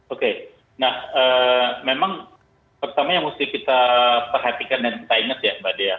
oke nah memang pertama yang mesti kita perhatikan dan kita ingat ya mbak dea